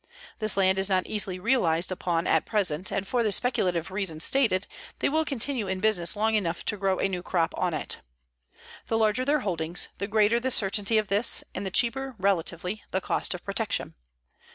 This land is not easily realized upon at present, and for the speculative reason stated, they will continue in business long enough to grow a new crop on it. The larger their holdings, the greater the certainty of this and the cheaper, relatively, the cost of protection.